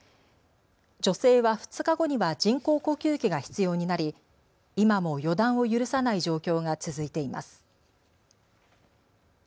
女性は２日後には人工呼吸器が必要になり、今も予断を許さない状況が続いています。